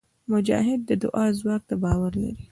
مجاهد د دعا ځواک ته باور لري.